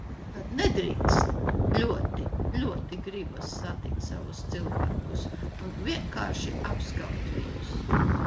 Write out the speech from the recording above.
Kad nedrīkst, ļoti, ļoti gribas satikt savus cilvēkus un vienkārši apskaut viņus.